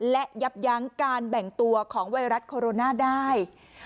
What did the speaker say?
และยับยั้งการแบ่งตัวของไวรัสโคโรนาได้